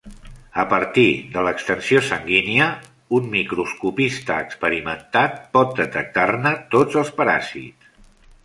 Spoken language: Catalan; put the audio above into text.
A partir de l'extensió sanguínia, un microscopista experimentat pot detectar-ne tots els paràsits.